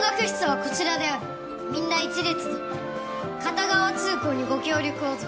片側通行にご協力をぞ。